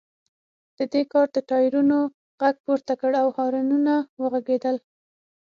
دې کار د ټایرونو غږ پورته کړ او هارنونه وغږیدل